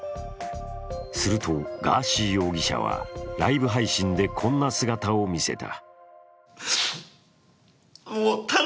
するとガーシー容疑者はライブ配信でこんな姿を見せた。